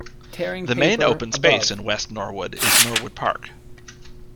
The main open space in West Norwood is Norwood Park.